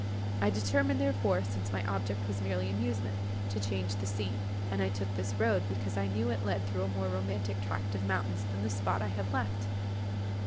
I determined, therefore, since my object was merely amusement, to change the scene; and I took this road, because I knew it led through a more romantic tract of mountains than the spot I have left.